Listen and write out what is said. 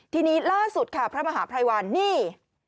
ทีนี้ล่าสุดค่ะพระมหาภัยวันนี่